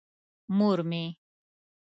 مور مې.